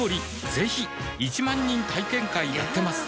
ぜひ１万人体験会やってますはぁ。